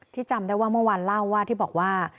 จำได้ว่าเมื่อวานเล่าว่าที่บอกว่า